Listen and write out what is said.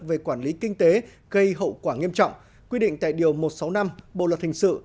về quản lý kinh tế gây hậu quả nghiêm trọng quy định tại điều một trăm sáu mươi năm bộ luật hình sự